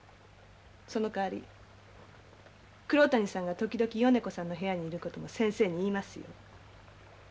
そのかわり黒谷さんが時々米子さんの部屋にいる事も先生に言いますよ。